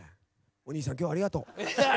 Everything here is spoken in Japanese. おにいさん今日はありがとう。